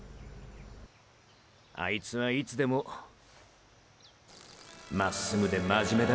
あいつはいつでもまっすぐでまじめだ。！